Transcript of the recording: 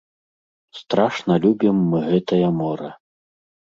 Страшна любім мы гэтае мора.